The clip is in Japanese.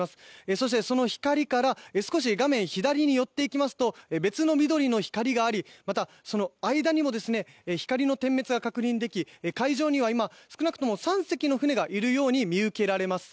そして、その光から少し画面左に寄っていきますと別の緑の光がありまたその間にも光の点滅が確認でき海上には今少なくとも３隻の船がいるように見受けられます。